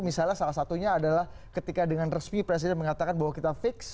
misalnya salah satunya adalah ketika dengan resmi presiden mengatakan bahwa kita fix